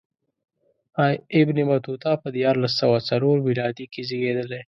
ابن بطوطه په دیارلس سوه څلور میلادي کې زېږېدلی.